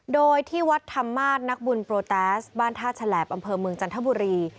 โดยที่วัดธรรมาศนักบุญโปรแตสบ้านท่าฉลาบอำเภอเมืองจันทบุรี